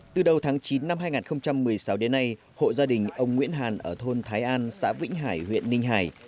từ đầu tháng chín năm hai nghìn một mươi sáu đến nay hộ gia đình ông nguyễn hàn ở thôn thái an xã vĩnh hải huyện ninh hải